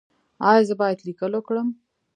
ایا زه باید لیکل وکړم؟